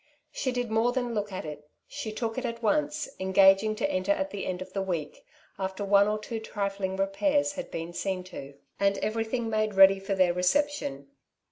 She did more than look at it, she took it at once, engaging to enter at the end of the week, after one or two trifling repairs had been seen to, and everything made ready for their reception.